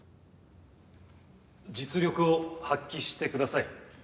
実力を発揮してください。